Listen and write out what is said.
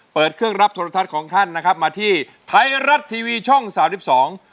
เปิดเครื่องรับโทรทัศน์ของท่านนะครับมาที่ไทยรัฐทีวีช่องสามสิบสอง